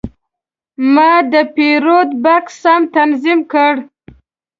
ما د پیرود بکس سم تنظیم کړ.